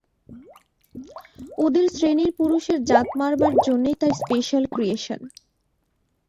ওদের শ্রেণীর পুরুষের জাত মারবার জন্যেই তার স্পেশাল ক্রিয়েশন।